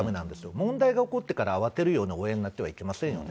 問題が起こってから慌てるような親になってはいけませんよね。